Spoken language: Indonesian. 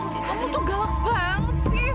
kamu tuh galak banget sih